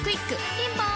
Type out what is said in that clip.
ピンポーン